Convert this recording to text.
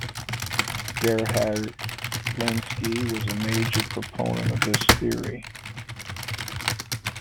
Gerhard Lenski was a major proponent of this theory.